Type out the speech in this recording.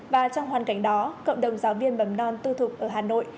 và trong hoàn cảnh đó cộng đồng giáo viên bầm non tư thuộc ở hà nội